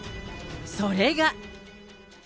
それが。